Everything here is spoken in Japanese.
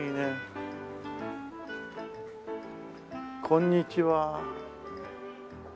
こんにちは。